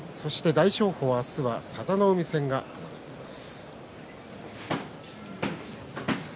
大翔鵬は佐田の海戦が組まれています。